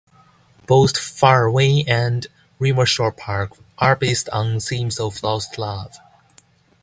Both "Far Away" and "River Shore Park" are based on themes of lost love.